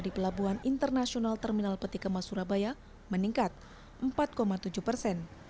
di pelabuhan internasional terminal petikemas surabaya meningkat empat tujuh persen